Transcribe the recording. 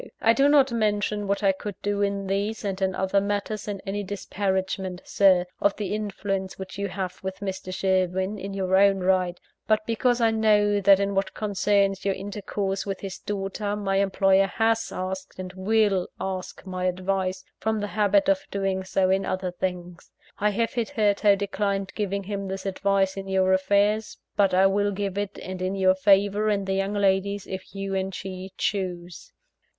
I do not mention what I could do in these, and in other matters, in any disparagement, Sir, of the influence which you have with Mr. Sherwin, in your own right; but because I know that in what concerns your intercourse with his daughter, my employer has asked, and will ask my advice, from the habit of doing so in other things. I have hitherto declined giving him this advice in your affairs; but I will give it, and in your favour and the young lady's, if you and she choose."